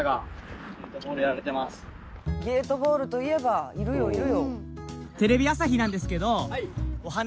ゲートボールといえばいるよいるよ！